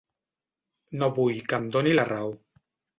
No vull que em doni la raó.